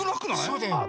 そうだよ。